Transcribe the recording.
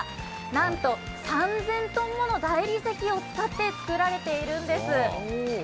なんと３０００ｔもの大理石を使って造られているんです。